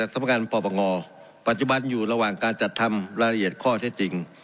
ศพลักการปอบประงอปัจจุบันอยู่ระหว่างการจัดทำรายละเอียดข้ออธรรมชาติจริง